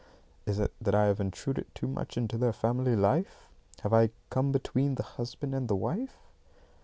Is it that I have intruded too much into their family life? Have I come between the husband and the wife?